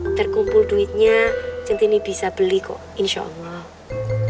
ntar kumpul duitnya centini bisa beli kok insya allah